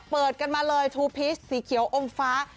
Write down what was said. เปิดกันมาเลยทูพีชสีเขียวอมฟ้า